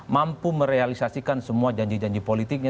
mampu merealisasikan semua janji janji politiknya